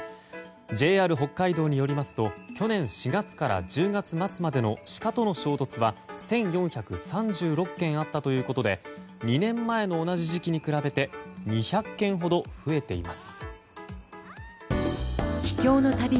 ＪＲ北海道によりますと去年４月から１０月末までのシカとの衝突は１４３６件あったということで２年前の同じ時期に比べて２００件ほど増えています。